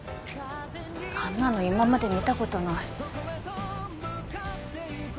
あんなの今まで見た事ない。